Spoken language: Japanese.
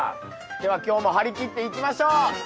では今日も張り切っていきましょう。